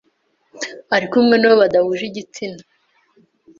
ari kumwe n’uwo badahuje igitsina